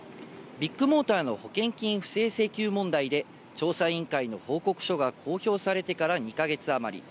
ビッグモーターの保険金不正請求問題で、調査委員会の報告書が公表されてから２か月あまり。